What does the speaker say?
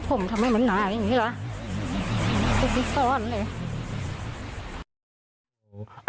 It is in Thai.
ผมทำให้มันหนาอย่างนี้เหรอ